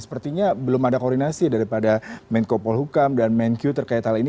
sepertinya belum ada koordinasi daripada menko polhukam dan menkyu terkait hal ini